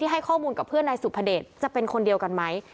ให้ข้อมูลกับเพื่อนนายสุภเดชจะเป็นคนเดียวกันไหม